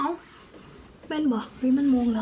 นั่นนี่นี่ไงมาดูอีกนะเออ